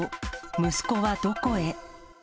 息子はどこへ？